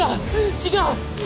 違う！